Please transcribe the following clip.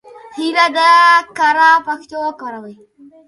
هیله ده کره پښتو وکاروئ.